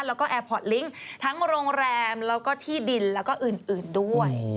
แล้วก็แอร์พอร์ตลิงค์ทั้งโรงแรมแล้วก็ที่ดินแล้วก็อื่นด้วย